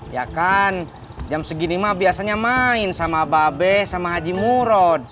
ya kan jam segini mah biasanya main sama babe sama haji murod